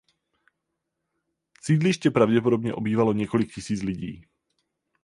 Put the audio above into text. Sídliště pravděpodobně obývalo několik tisíc lidí.